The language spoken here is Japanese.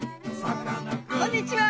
こんにちは！